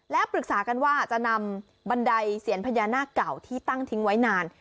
และปรึกษากันว่าจะนำบันไดเสียนพญานาคเก่าที่ตั้งทิ้งไว้นาน